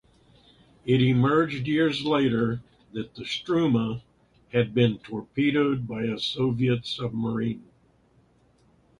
It emerged years later that the "Struma" had been torpedoed by a Soviet submarine.